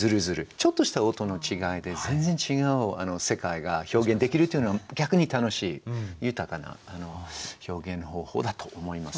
ちょっとした音の違いで全然違う世界が表現できるというのは逆に楽しい豊かな表現の方法だと思います。